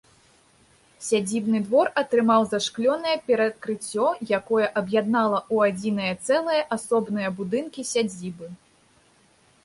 Сядзібны двор атрымаў зашклёнае перакрыцце, якое аб'яднала ў адзінае цэлае асобныя будынкі сядзібы.